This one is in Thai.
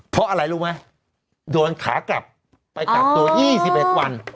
เพราะอะไรรู้ไหมโดนขากลับไปกักตัว๒๑วัน